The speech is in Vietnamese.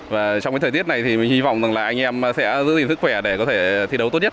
trong thời tiết này thì mình hy vọng anh em sẽ giữ gìn sức khỏe để có thể thi đấu tốt nhất